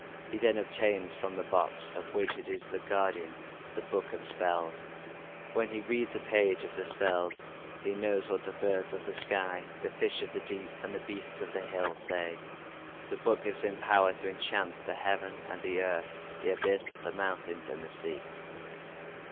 He then obtains from the box, of which it is the guardian, the book of spells; when he reads a page of the spells he knows what the birds of the sky, the fish of the deep, and the beasts of the hill say; the book gives him power to enchant "the heaven and the earth, the abyss, the mountains and the sea".